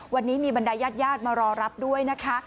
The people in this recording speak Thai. วันนี้มีบันไดญาติยาดมารอรับด้วยนะคะ